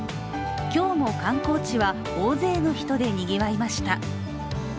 今日も観光地は大勢の人でにぎわいました。